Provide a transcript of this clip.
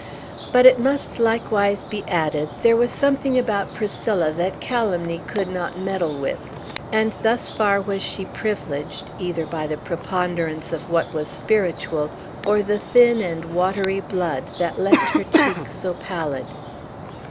But, it must likewise be added, there was something about Priscilla that calumny could not meddle with; and thus far was she privileged, either by the preponderance of what was spiritual, or the thin and watery blood that left her cheek so pallid.